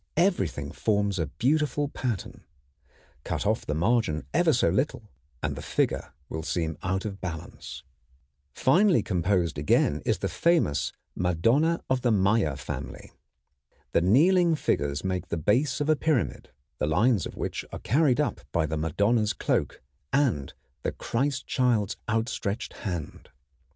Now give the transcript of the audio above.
Everything forms a beautiful pattern. Cut off the margin ever so little, and the figure will seem out of balance. [Illustration: DUKE OF NORFOLK, by Holbein] Finely composed again is the famous Madonna of the Meier family. The kneeling figures make the base of a pyramid, the lines of which are carried up by the Madonna's cloak and the Christ Child's outstretched hand.